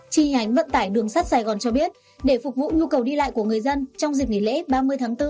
tri hành vận tải đường sát sài gòn cho biết để phục vụ nhu cầu đi lại của người dân trong dịp nghỉ lễ ba mươi tháng bốn